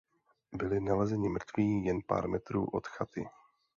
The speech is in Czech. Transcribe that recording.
Byli nalezeni mrtví jen pár metrů od chaty.